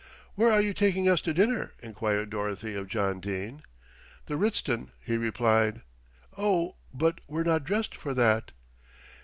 "Where are you taking us to dinner?" enquired Dorothy of John Dene. "The Ritzton," he replied. "Oh, but we're not dressed for that!"